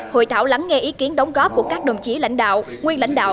hội thảo lắng nghe ý kiến đóng góp của các đồng chí lãnh đạo nguyên lãnh đạo